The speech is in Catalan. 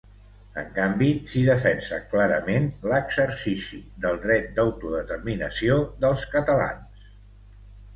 En canvi, s’hi defensa clarament l’exercici del dret d’autodeterminació dels catalans.